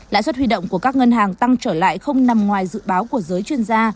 lãi suất huy động của các ngân hàng tăng trở lại không nằm ngoài dự báo của giới chuyên gia